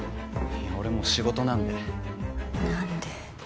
俺もう仕事なんでなんで。